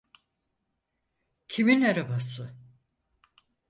Kimin arabası?